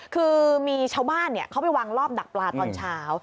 คือมีชาวบ้านเขาไปวางรอบดักปลาตอนเช้า